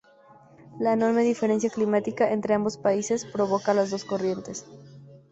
La enorme diferencia climática entre ambos países provoca las dos corrientes.